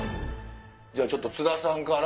ちょっと津田さんから。